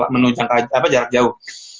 menu jarak jauh